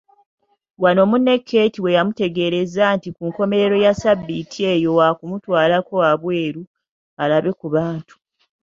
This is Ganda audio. Wano munne Keeti weyamutegeereza nti ku nkomerero ya ssabbiiti eyo wa kumutwalako wabweru alabe ku bantu.